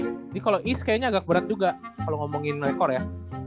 jadi kalo east kayaknya agak berat juga kalo ngomongin rekor ya